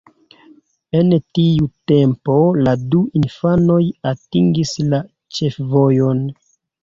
En tiu tempo la du infanoj atingis la ĉefvojon.